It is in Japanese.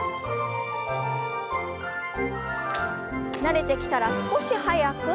慣れてきたら少し速く。